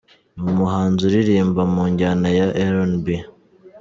Ni umuhanzi uririmba mu njyana ya RnB.